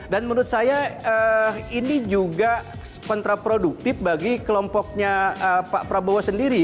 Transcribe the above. dan menurut saya ini juga kontraproduktif bagi kelompoknya pak prabowo sendiri